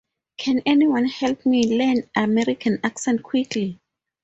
Can anyone help me learn american accent quickly.